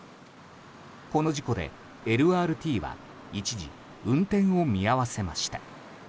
この事故でＬＲＴは一時、運転を見合わせました。